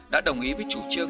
đã đồng ý với chủ trương